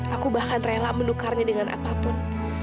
aku bahkan rela menukarnya dengan apapun